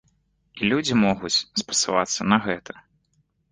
І людзі могуць спасылацца на гэта.